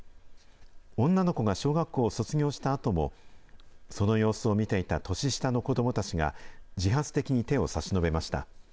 女の子が小学校を卒業したあとも、その様子を見ていた年下の子どもたちが自発的に手を差し伸べました。